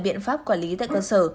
biện pháp quản lý tại cơ sở